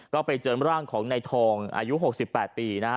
ก็ไปเจอร่างของนายทองอายุ๖๘ปีนะฮะ